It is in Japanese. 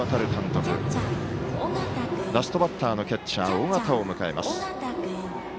ラストバッターのキャッチャー、尾形を迎えます。